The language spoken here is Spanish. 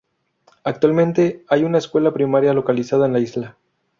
Actualmente hay una escuela primaria localizada en la isla.